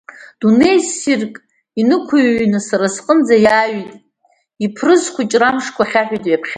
Дунеи ссирк инықәыҩны, са сҟынӡа иааҩит, иԥрыз схәыҷра амшқәа хьаҳәит ҩаԥхьа.